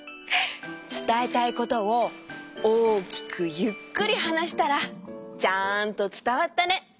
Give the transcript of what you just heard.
つたえたいことを大きくゆっくりはなしたらちゃんとつたわったね。